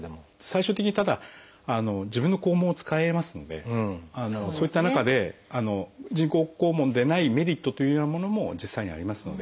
最終的にただ自分の肛門を使えますのでそういった中で人工肛門でないメリットというようなものも実際にはありますので。